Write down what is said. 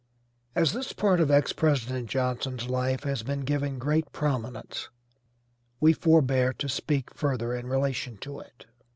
As this part of ex President Johnson's life has been given great prominence, we forbear to speak further in relation to it.